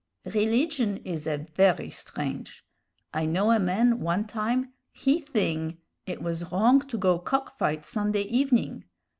Rilligion is a very strange; I know a man one time, he thing it was wrong to go to cock fight Sunday evening.